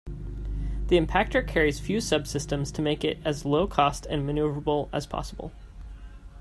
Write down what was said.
The impactor carries few subsystems to make it as low-cost and maneuverable as possible.